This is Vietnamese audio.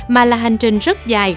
mà là hành trình rất dài